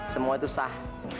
semua itu sah